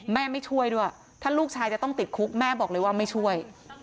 ไม่ช่วยด้วยถ้าลูกชายจะต้องติดคุกแม่บอกเลยว่าไม่ช่วย